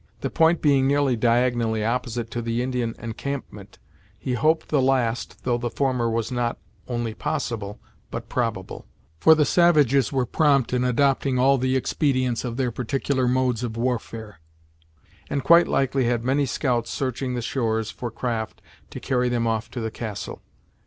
The point being nearly diagonally opposite to the Indian encampment, he hoped the last, though the former was not only possible, but probable; for the savages were prompt in adopting all the expedients of their particular modes of warfare, and quite likely had many scouts searching the shores for craft to carry them off to the castle.